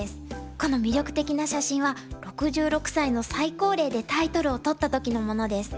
この魅力的な写真は６６歳の最高齢でタイトルを取った時のものです。